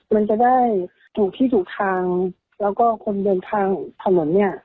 มันจะได้ถูกที่ถูกทางแล้วก็คนเดินทางถนนเนี่ย